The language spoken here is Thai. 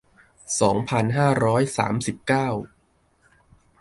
สองพันห้าร้อยสามสิบเก้า